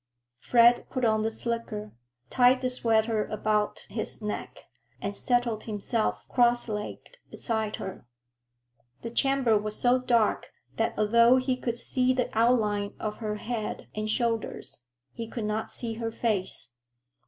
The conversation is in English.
Fred put on the slicker, tied the sweater about his neck, and settled himself cross legged beside her. The chamber was so dark that, although he could see the outline of her head and shoulders, he could not see her face.